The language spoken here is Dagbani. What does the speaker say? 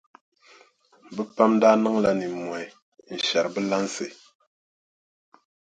Bɛ pam daa niŋla nimmɔhi n-shɛri bɛ lansi.